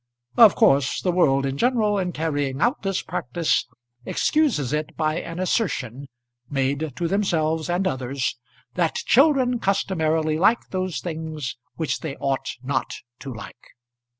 Of course the world in general, in carrying out this practice, excuses it by an assertion, made to themselves or others, that children customarily like those things which they ought not to like.